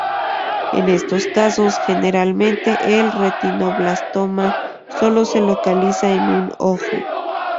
En estos casos, generalmente el retinoblastoma sólo se localiza en un ojo.